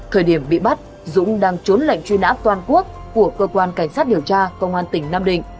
thời điểm bị bắt dũng đang trốn lệnh truy nã toàn quốc của cơ quan cảnh sát điều tra công an tỉnh nam định